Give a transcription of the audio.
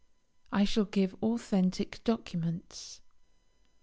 I shall give authentic documents.